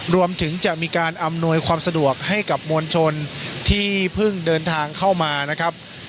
รวมถึงจะมีการอำนวยความสะดวกให้กับมวลชนที่เพิ่งเดินทางเข้ามานะครับ